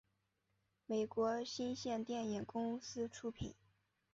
美国新线电影公司出品。